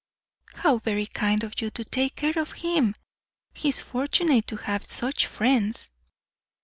"How very kind of you to take care of him! He is fortunate to have such friends."